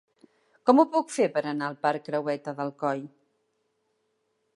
Com ho puc fer per anar al parc Creueta del Coll?